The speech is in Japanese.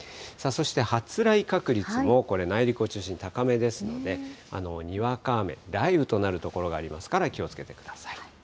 そして発雷確率も、これ、内陸を中心に高めですので、にわか雨、雷雨となる所がありますから、気をつけてください。